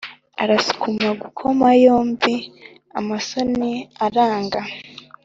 Arasukuma gukoma yombi amasoni aranga